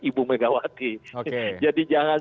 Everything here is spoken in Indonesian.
ibu megawati jadi jangan